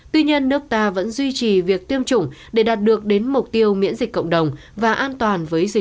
tuy nhiên nước ta vẫn duy trì việc tiêm chủng để đạt được đến mục tiêu miễn dịch cộng đồng và an toàn với dịch covid một mươi chín